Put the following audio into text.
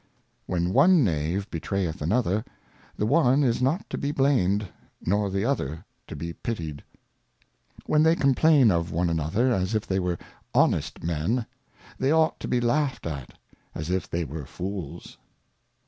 When one Knave betrayeth another, the one is not to be blamed, nor the other to be pitied. When they complain of one another as if they were honest Men, they ought to be laugh'd at as if they were Fools.